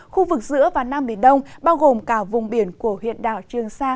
khu vực giữa và nam biển đông bao gồm cả vùng biển của huyện đảo trương sa